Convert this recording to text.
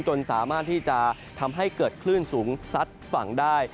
จนสามารถที่จะทำให้เกิดคลื่นสูงซัดฝั่งได้